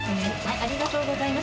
ありがとうございます。